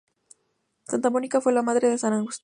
Santa Mónica fue la madre de San Agustín.